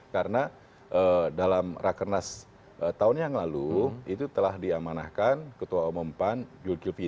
karena dalam rakernas tahun yang lalu itu telah diamanahkan ketua umum pan yul kilpi